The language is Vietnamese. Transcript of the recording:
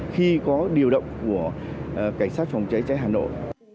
khi có điều động của cảnh sát phòng cháy cháy hà nội